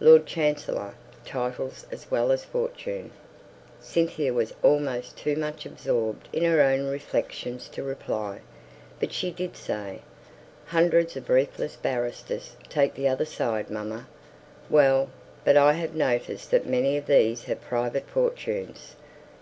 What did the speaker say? Lord Chancellor! Titles as well as fortune!" Cynthia was almost too much absorbed in her own reflections to reply, but she did say, "Hundreds of briefless barristers. Take the other side, mamma." "Well; but I have noticed that many of these have private fortunes."